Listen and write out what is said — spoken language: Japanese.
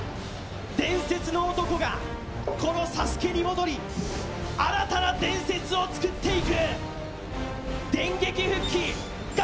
伝説の男がこのＳＡＳＵＫＥに戻り新たな伝説をつくっていく！